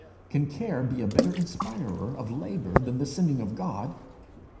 Can care be a better inspirer of labour than the sending of God?